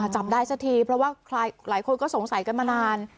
จับได้สักทีเพราะว่าหลายคนก็สงสัยกันมานาน